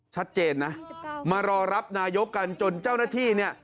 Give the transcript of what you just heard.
ชัดเจนนะมารอรับนายกกันจนเจ้าหน้าที่เนี่ย